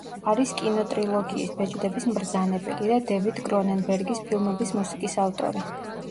არის კინოტრილოგიის „ბეჭდების მბრძანებელი“ და დევიდ კრონენბერგის ფილმების მუსიკის ავტორი.